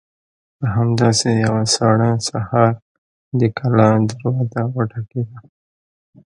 په همداسې يوه ساړه سهار د کلا دروازه وټکېده.